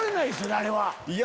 あれは。